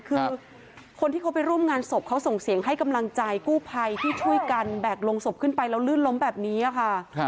คือคนที่เขาไปร่วมงานศพเขาส่งเสียงให้กำลังใจกู้ภัยที่ช่วยกันแบกลงศพขึ้นไปแล้วลื่นล้มแบบนี้ค่ะ